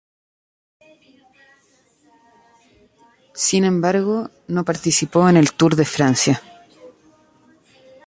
Sin embargo, no participó en el Tour de Francia.